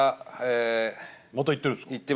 また行ってるんですか？